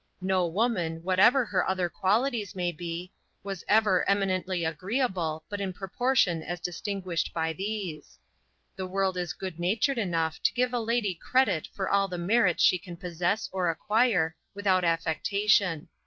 No woman, whatever her other qualities may be, was ever eminently agreeable, but in proportion as distinguished by these. The world is good natured enough to give a lady credit for all the merit she can possess or acquire, without affectation.